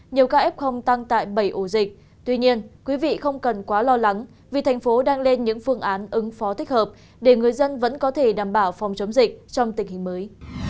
nhiều ca f tăng tại bảy ổ dịch tuy nhiên quý vị không cần quá lo lắng vì thành phố đang lên những phương án ứng phó thích hợp để người dân vẫn có thể đảm bảo phòng chống dịch trong tình hình mới